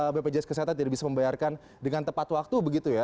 bpjs kesehatan tidak bisa membayarkan dengan tepat waktu